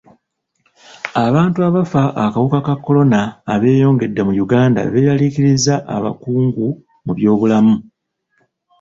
Abantu abafa akawuka ka kolona abeeyongedde mu Uganda beeraliikiriza abakungu mu byobulamu.